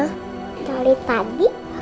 aku nungguin papa dan mama dan oma